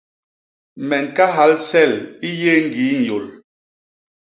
Me ñkahal sel i yé ñgii nyôl.